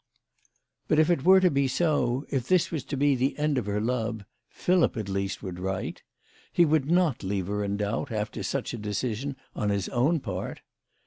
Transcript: But if it were to be so, if this was to be the end of her love, Philip, at least, would write. He would not leave her in doubt, after such a decision on his own part.